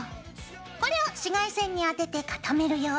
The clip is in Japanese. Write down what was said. これを紫外線に当てて固めるよ。